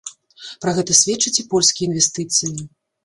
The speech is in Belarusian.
Пра гэта сведчаць і польскія інвестыцыі.